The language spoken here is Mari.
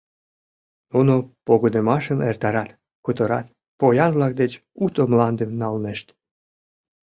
Нуно погынымашым эртарат, кутырат, поян-влак деч уто мландым налнешт.